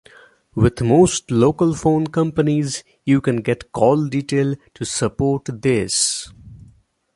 With most local phone companies you can get call detail to support this.